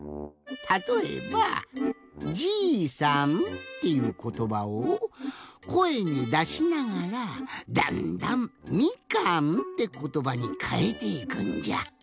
たとえば「じいさん」っていうことばをこえにだしながらだんだん「みかん」ってことばにかえていくんじゃ。